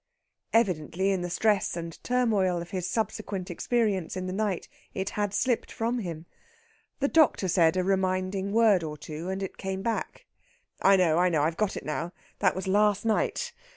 Evidently, in the stress and turmoil of his subsequent experience in the night, it had slipped from him. The doctor said a reminding word or two, and it came back. "I know, I know. I've got it now. That was last night.